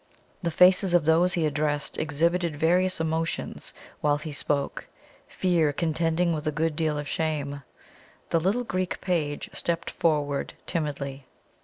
The faces of those he addressed exhibited various emotions while he spoke fear contending with a good deal of shame. The little Greek page stepped forward timidly.